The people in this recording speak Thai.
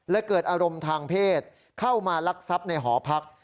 และเกิดอารมณ์ทางเพศเข้ามาลักทรัพย์ในหอพัก